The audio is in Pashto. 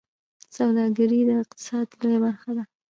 سوداګري د اقتصاد لویه برخه وه